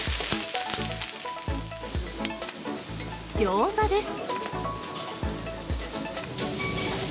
ギョーザです。